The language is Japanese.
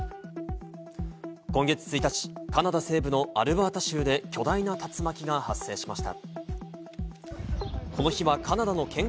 今月１日、カナダ西部のアルバータ州で巨大な竜巻が発生しました。